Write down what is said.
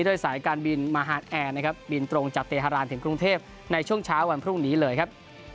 ด้วยสายการบินมหานแอร์นะครับบินตรงจากเตฮารานถึงกรุงเทพในช่วงเช้าวันพรุ่งนี้เลยครับ